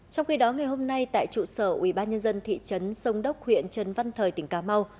trong khi đó ngày hôm nay tại trụ sở ubnd thị trấn sông đốc huyện trần văn thời tỉnh cà mau